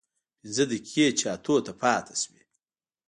پينځه دقيقې چې اتو ته پاتې سوې.